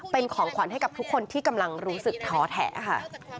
เป็นของขวัญให้กับทุกคนที่กำลังรู้สึกท้อแท้ค่ะ